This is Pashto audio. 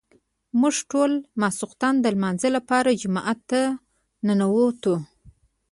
موږ ټول د ماسخوتن د لمانځه لپاره جومات ته ننوتو.